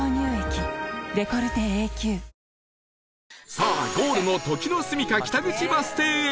さあゴールの時之栖北口バス停へ